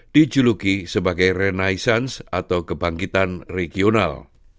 dijuluki sebagai renicense atau kebangkitan regional